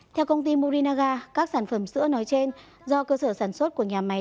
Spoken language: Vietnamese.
theo công ty morinaga các sản phẩm sữa nói trên do cơ sở sản xuất của nhà máy